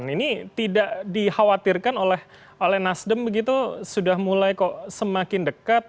ini tidak dikhawatirkan oleh nasdem begitu sudah mulai kok semakin dekat